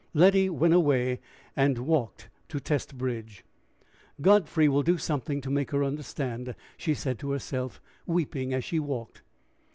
Letty went away, and walked to Testbridge. "Godfrey will do something to make her understand," she said to herself, weeping as she walked.